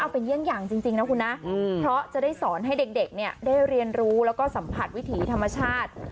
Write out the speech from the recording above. เป็นเยี่ยงอย่างจริงนะคุณนะเพราะจะได้สอนให้เด็กได้เรียนรู้แล้วก็สัมผัสวิถีธรรมชาติ